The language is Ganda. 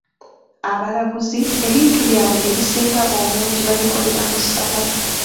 Abalaguzi, ebintu byabwe ebisinga obungi babikolera mu ssabo.